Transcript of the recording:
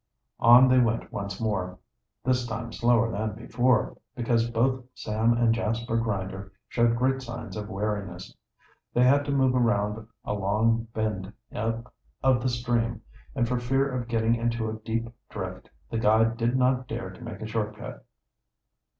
On they went once more, this time slower than before, because both Sam and Jasper Grinder showed great signs of weariness. They had to move around a long bend of the stream, and for fear of getting into a deep drift the guide did not dare to make a short cut.